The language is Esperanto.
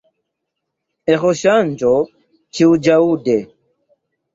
Eĥoŝanĝo ĉiuĵaŭde!